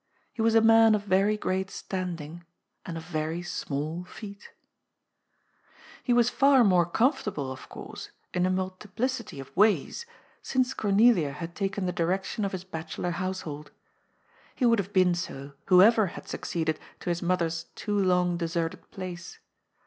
He was a man of very great stand ing and of very small feet He was far more comfortable, of course, in a multiplic ity of ways, since Cornelia had taken the direction of his bachelor household. He would haye been so, whoever had succeeded to his mother's too long deserted place.